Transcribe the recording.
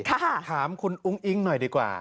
ถามคุณอุ้งอิ๊งหน่อยดีกว่า